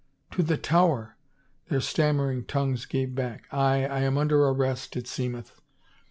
" To the Tower? " their stammering tongues gave back. " Aye, I am under arrest, it seemeth.